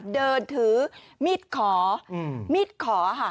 เดินถือมีดขอมีดขอค่ะ